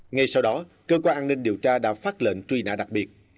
ngay sau đó cơ quan an ninh điều tra đã phát lệnh truy nã đặc biệt